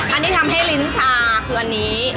อันนี้ทำให้ลิ้นชาคืออันนี้